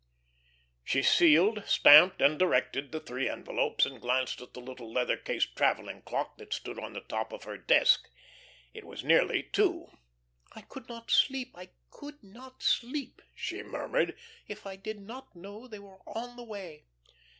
She sealed, stamped, and directed the three envelopes, and glanced at the little leather cased travelling clock that stood on the top of her desk. It was nearly two. "I could not sleep, I could not sleep," she murmured, "if I did not know they were on the way."